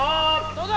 どうだ？